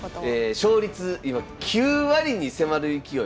勝率今９割に迫る勢い。